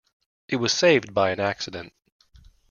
It was saved by an accident.